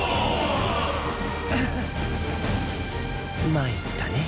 まいったね。